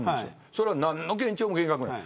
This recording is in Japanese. それは何の幻聴も幻覚もない。